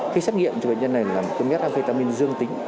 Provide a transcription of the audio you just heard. cái xét nghiệm cho bệnh nhân này là cơm s amphetamine dương tính